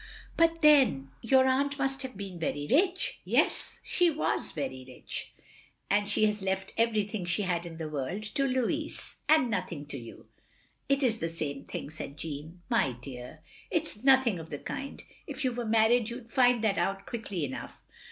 "But then — ^your aunt must have been very rich." " Yes, she was very rich, and she has left every thing she had in the worid to Lotiis. " "And nothing to you." " It is the same thing, " said Jeanne. "My dear! It's nothing of the kind. If you were married you 'd find that out quickly enough!